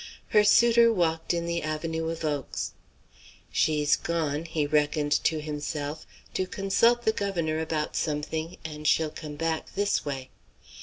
Her suitor walked in the avenue of oaks. "She's gone," he reckoned to himself, "to consult the governor about something, and she'll come back this way."